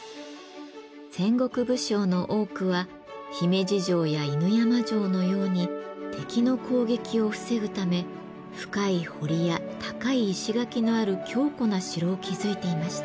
戦国武将の多くは姫路城や犬山城のように敵の攻撃を防ぐため深い堀や高い石垣のある強固な城を築いていました。